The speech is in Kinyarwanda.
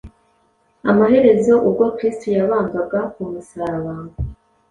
Amaherezo ubwo Kristo yabambwaga ku musaraba,